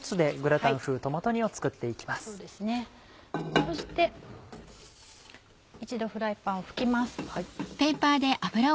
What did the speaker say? そして１度フライパンを拭きます。